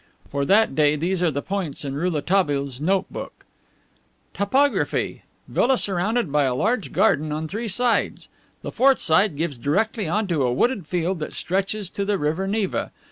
For that day these are the points in Rouletabille's notebook: "Topography: Villa surrounded by a large garden on three sides. The fourth side gives directly onto a wooded field that stretches to the river Neva.